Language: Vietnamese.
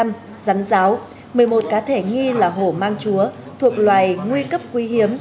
một mươi năm kg rắn ráo một mươi một cá thể nghi là hổ mang chúa thuộc loài nguy cấp quý hiếm